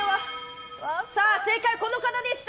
正解は、この方でした。